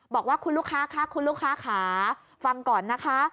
บอกว่าคุณลูกค้าค่ะคุณลูกค้าค่ะฟังก่อนนะคะ